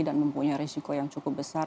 dan mempunyai risiko yang cukup besar